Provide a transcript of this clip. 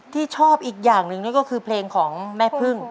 ที่ชอบอีกอย่างหนึ่งนั่นก็คือเพลงของแม่พึ่ง